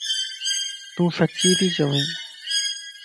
تون سچي تي چوين؟